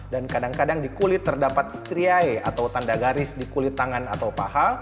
dan kadang kadang di kulit terdapat striae atau tanda garis di kulit tangan atau paha